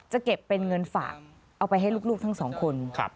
จะเก็บเป็นเงินฝากเอาไปให้ลูกทั้งสองคน